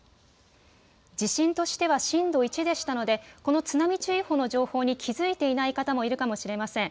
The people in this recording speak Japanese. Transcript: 地震としては震度１でしたのでこの津波注意報の情報に気付いていない方もいるかもしれません。